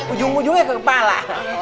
ujung ujungnya ke kepala